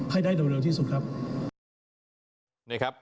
ให้ได้โดยเร็วที่สุดครับ